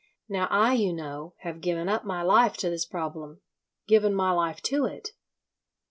Now I, you know, have given up my life to this problem—given my life to it.